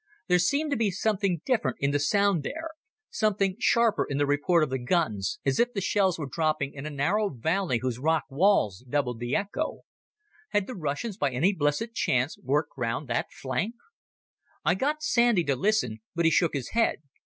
There seemed to be something different in the sound there, something sharper in the report of the guns, as if shells were dropping in a narrow valley whose rock walls doubled the echo. Had the Russians by any blessed chance worked round that flank? I got Sandy to listen, but he shook his head.